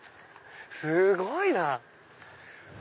すごいな！